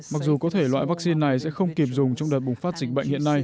mặc dù có thể loại vaccine này sẽ không kịp dùng trong đợt bùng phát dịch bệnh hiện nay